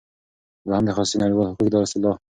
دوهم د خصوصی نړیوال حقوق دا اصطلاح